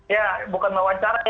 ya bukan mewawancarai